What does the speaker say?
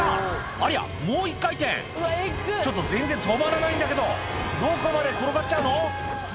ありゃもう一回転ちょっと全然止まらないんだけどどこまで転がっちゃうの？